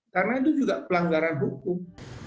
karena itu juga pelanggaran hukum